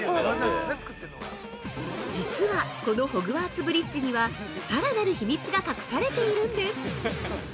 ◆実はこのホグワーツ・ブリッジには、さらなる秘密が隠されているんです！